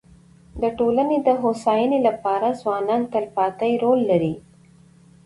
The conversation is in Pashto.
د ټولني د هوسايني لپاره ځوانان تلپاتي رول لري.